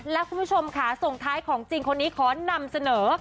และคุณผู้ชมค่ะส่งท้ายของจริงคนนี้ขอนำเสนอ